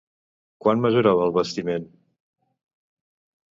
Quant mesurava el bastiment?